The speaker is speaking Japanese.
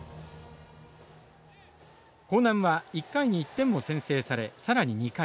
興南は１回に１点を先制され更に２回。